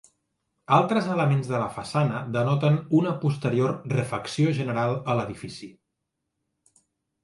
Altres elements de la façana denoten una posterior refacció general a l'edifici.